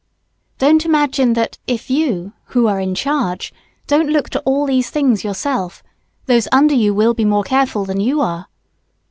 Don't imagine that if you, who are in charge, don't look to all these things yourself, those under you will be more careful than you are.